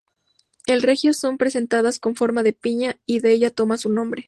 En Reggio son presentadas con forma de piña, y de ella toma su nombre.